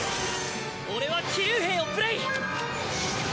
俺は騎竜兵をプレイ！